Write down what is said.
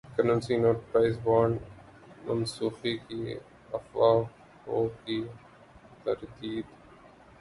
currency note prize bonds منسوخی کی افواہوں کی تردید